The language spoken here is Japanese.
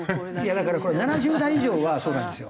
いやだからこれ７０代以上はそうなんですよ。